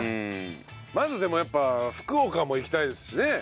まずでもやっぱ福岡も行きたいですしね。